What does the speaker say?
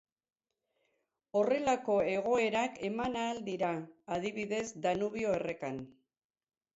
Horrelako egoerak eman ahal dira, adibidez, Danubio errekan.